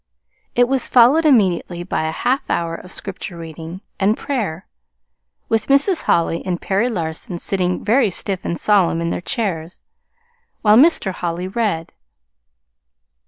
It was followed immediately by a half hour of Scripture reading and prayer, with Mrs. Holly and Perry Larson sitting very stiff and solemn in their chairs, while Mr. Holly read.